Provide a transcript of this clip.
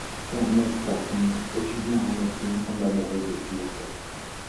Ermes Corsini, étudiant en médecine tombe amoureux de Giulia.